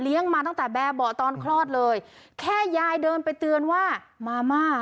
มาตั้งแต่แบบเบาะตอนคลอดเลยแค่ยายเดินไปเตือนว่ามาม่า